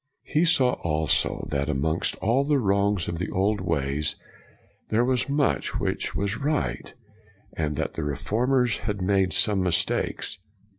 He saw also that amongst all the wrongs of the old ways there was much which was right; and that the reformers had made some mistakes.